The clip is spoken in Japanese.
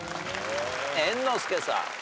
猿之助さん。